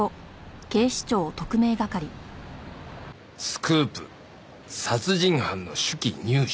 「スクープ殺人犯の手記入手！」